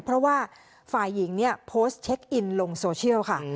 เพราะว่าฝ่ายหญิงเนี่ยโพสต์เช็คอินลงโซเชียลค่ะ